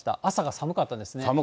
寒かったですね。